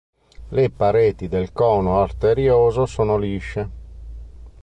Le pareti del cono arterioso sono lisce.